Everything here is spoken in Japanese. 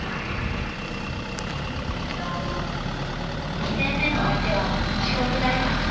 ２戦目の相手は四国大学。